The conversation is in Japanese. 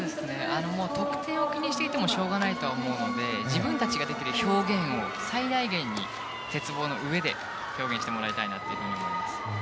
得点を気にしていてもしょうがないと思うので自分たちができる表現を最大限に鉄棒の上で表現してもらいたいなと思います。